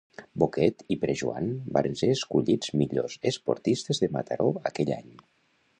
Boquet i Perejoan varen ser escollits millors esportistes de Mataró aquell any.